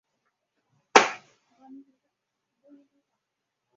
太郎兄弟。